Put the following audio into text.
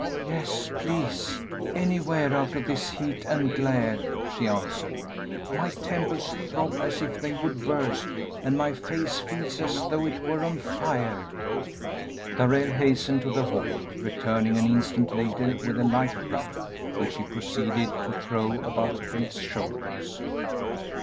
"Yes, please; anywhere out of this heat and glare," she answered; "my temples throb as if they would burst and my face feels as though it were on fire!" Darrell hastened to the hall, returning an instant later with a light wrap which he proceeded to throw about Kate's shoulders.